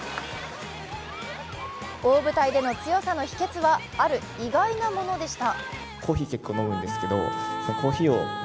大舞台での強さの秘訣はある意外なものでした。